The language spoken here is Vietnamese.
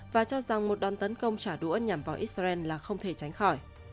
và cho rằng một đòn tấn công trả đũa nhằm vào israel là không thể tránh khỏi